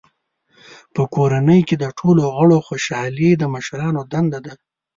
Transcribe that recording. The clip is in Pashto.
په کورنۍ کې د ټولو غړو خوشحالي د مشرانو دنده ده.